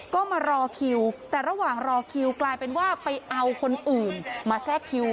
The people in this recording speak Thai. ก็มารอคิวแต่ระหว่างรอคิวกลายเป็นว่าไปเอาคนอื่นมาแทรกคิว